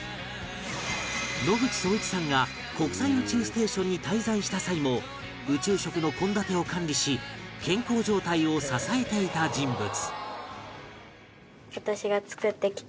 野口聡一さんが国際宇宙ステーションに滞在した際も宇宙食の献立を管理し健康状態を支えていた人物